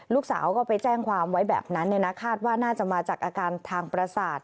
ลูกสาวก็ไปแจ้งความไว้แบบนั้นคาดว่าน่าจะมาจากอาการทางประสาท